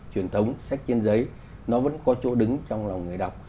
sách truyền thống sách chiên giấy nó vẫn có chỗ đứng trong lòng người đọc